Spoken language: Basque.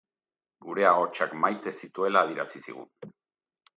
Gure ahotsak maite zituela adierazi zigun.